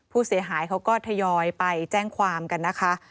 ผู้เสียหายเขาก็ทยอยไปแจ้งความกันนะคะ